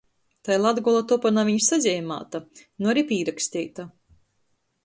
Tai Latgola topa na viņ sazeimāta, nu ari pīraksteita.